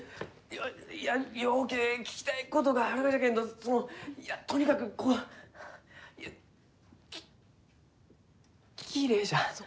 いやようけ、聞きたいことがあるがじゃけんどそのいや、とにかくいやききれいじゃ。